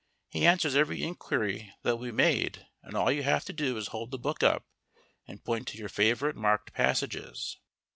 He answers every inquiry that will be made, and all you have to do is hold the book up and point to your favourite marked passages.